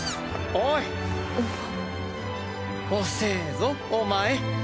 おせえぞお前。